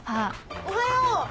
おはよう。